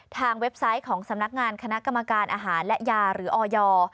เว็บไซต์ของสำนักงานคณะกรรมการอาหารและยาหรือออย